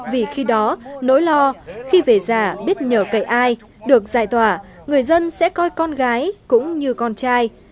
vì khi đó nỗi lo khi về già biết nhờ cậy ai được giải tỏa người dân sẽ coi con gái cũng như con trai